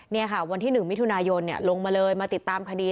นี่ค่ะวันที่๑มิถุนายนลงมาเลยมาติดตามคดี